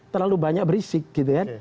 terlalu banyak berisik gitu kan